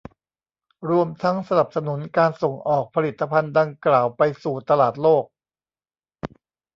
รวมทั้งสนับสนุนการส่งออกผลิตภัณฑ์ดังกล่าวไปสู่ตลาดโลก